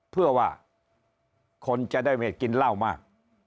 เพื่อว่าคนจะได้ไม่กินเหล้ามาก